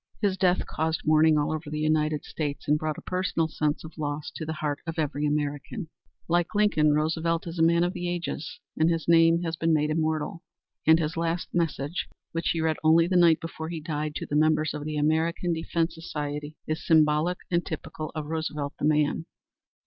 His death caused mourning all over the United States and brought a personal sense of loss to the heart of every true American. Like Lincoln, Roosevelt is a man of the ages, and his name has been made immortal. And his last message, which he read only the night before he died, to the members of the American Defense Society, is symbolic and typical of Roosevelt the man.